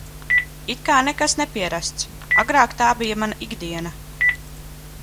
It kā nekas nepierasts, agrāk tā bija mana ikdiena.